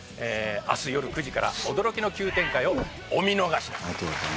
明日よる９時から驚きの急展開をお見逃しなく。